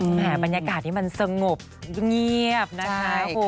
อุลหาบรรยากาศที่มันสงบเงียบนะคะ